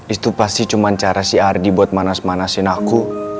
itu pasti cuma cara si ardi buat manas manasin aku